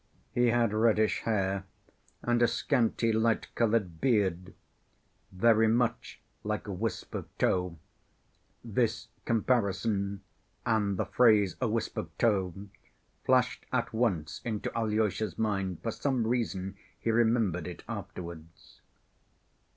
He had reddish hair and a scanty light‐colored beard, very much like a wisp of tow (this comparison and the phrase "a wisp of tow" flashed at once into Alyosha's mind for some reason, he remembered it afterwards).